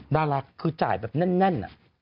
ดาราคือจ่ายแบบแน่น